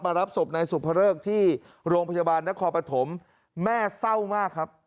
มารับศพในศพพระฤกษ์ที่โรงพยาบาลนครปฐมแม่เศร้ามากครับ